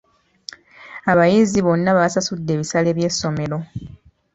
Abayizi bonna basasudde ebisale by'essomero.